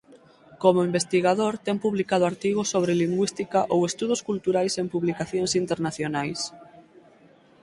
Como investigador ten publicado artigos sobre lingüística ou estudos culturais en publicacións internacionais.